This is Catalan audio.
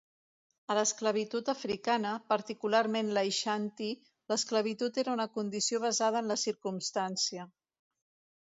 A l'esclavitud africana, particularment l'aixanti, l'esclavitud era una condició basada en la circumstància.